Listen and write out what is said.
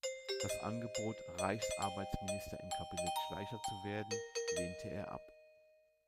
Das Angebot, Reichsarbeitsminister im Kabinett Schleicher zu werden, lehnte er ab.